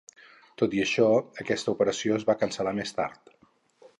Tot i això, aquesta operació es va cancel·lar més tard.